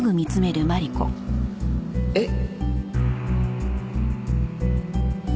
えっ。